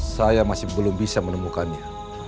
saya masih belum bisa menemukannya